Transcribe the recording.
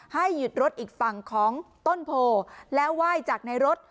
ให้หยุดรถอีกฝั่งของต้นโพแล้วไหว้จากในรถ